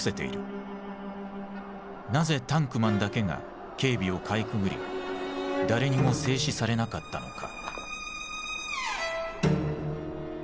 なぜタンクマンだけが警備をかいくぐり誰にも制止されなかったのか。